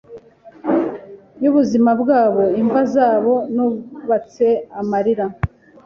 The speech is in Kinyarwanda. yubuzima bwabo Imva zabo nubatse amarira